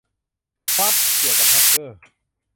ครับ เกี่ยวกับ แฮกเกอร์